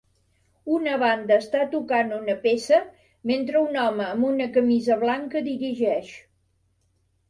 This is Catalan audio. Una banda està tocant una peça mentre un home amb una camisa blanca dirigeix.